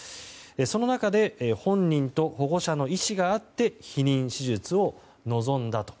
その中で本人と保護者の意思があって、避妊手術を望んだと。